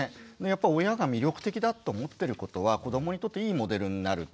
やっぱり親が魅力的だと思ってることは子どもにとっていいモデルになるっていうことがあります。